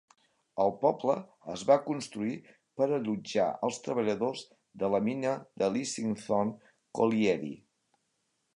El poble es va construir per allotjar els treballadors de la mina de Leasingthorne Colliery.